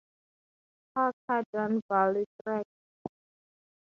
Har ki dun valley trek.